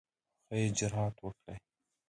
ښه اجرآت وکړي.